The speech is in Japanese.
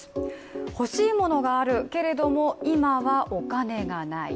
欲しいものがあるけれども、今はお金がない。